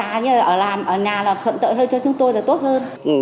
ở nhà là thuận lợi hơn cho chúng tôi là tốt hơn